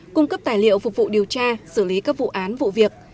cung cấp tài liệu phục vụ điều tra xử lý các vụ án vụ việc